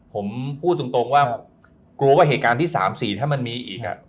ผมพูดตรงว่ากลัวว่าเหตุการณ์ที่๓๔ถ้ามันมีอีก